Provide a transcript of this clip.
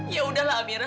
ya udahlah amira